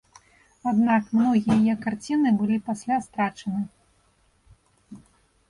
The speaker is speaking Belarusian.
Аднак многія яе карціны былі пасля страчаны.